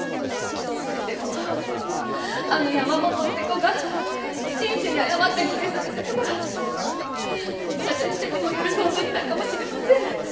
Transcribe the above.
それでもあの山本って子が真摯に謝ってくれさえすれば私たちも許そうとしたかもしれません。